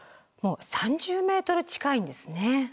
３０ｍ近いんですね。